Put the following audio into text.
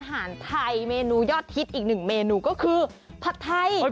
อาหารไทยเมนูยอดฮิตอีกหนึ่งเมนูก็คือผัดไทย